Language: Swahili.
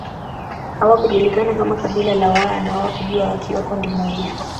Hawakujulikana kama kabila la Waha na hawakuja wakiwa kundi moja